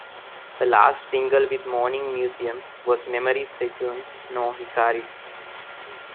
Her last single with Morning Musume was Memory Seishun no Hikari.